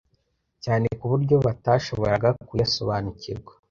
cyane ku buryo batashoboraga kuyasobanukirwa